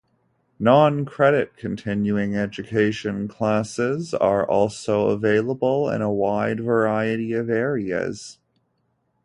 Non-credit continuing education classes are also available in a wide variety of areas.